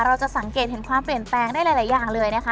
เราจะสังเกตเห็นความเปลี่ยนแปลงได้หลายอย่างเลยนะคะ